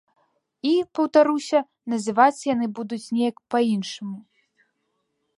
І, паўтаруся, называцца яны будуць неяк па-іншаму.